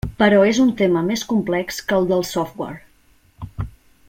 Però és un tema més complex que el del software.